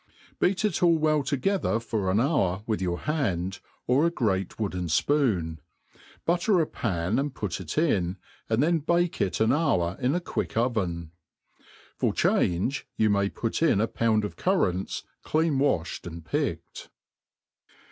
Beat it all well to gether for an hour with your hand, or a great wooden fpooo^ .butter a pan and put it m, and then bake it an hour in a quick oven. For change, yoii may put, in a pound of currants, clean waibed and picked.